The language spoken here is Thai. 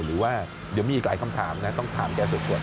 เดี๋ยวมีอีกหลายคำถามนะต้องถามแกส่วนเลยนะ